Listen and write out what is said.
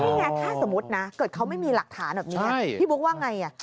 นี่ไงถ้าสมมุตินะเกิดเขาไม่มีหลักฐานแบบนี้พี่บุ๊คว่าไง